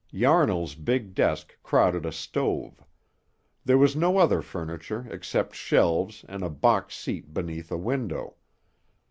Yarnall's big desk crowded a stove. There was no other furniture except shelves and a box seat beneath a window.